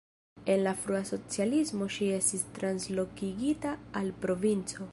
En la frua socialismo ŝi estis translokigita al provinco.